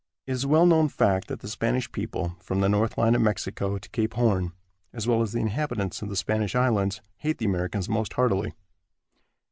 It is a well known fact that the Spanish people, from the north line of Mexico to Cape Horn, as well as the inhabitants of the Spanish Islands, hate the Americans most heartily.